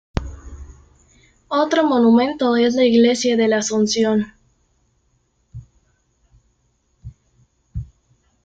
Otro monumento es la Iglesia de la Asunción.